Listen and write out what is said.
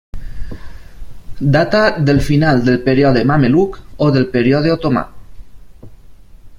Data del final del període mameluc, o del període otomà.